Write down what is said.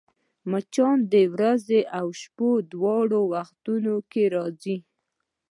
مچان د ورځي او شپې دواړو وختونو کې راځي